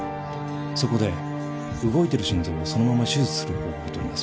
そこで動いている心臓をそのまま手術する方法をとります